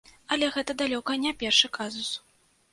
Але гэта далёка не першы казус.